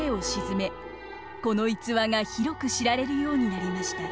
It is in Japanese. この逸話が広く知られるようになりました。